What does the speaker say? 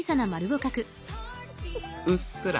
うっすら。